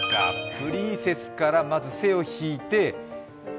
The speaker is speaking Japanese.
プリンセスからまず「セ」を引いて。